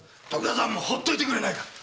もうほっといてくれないか！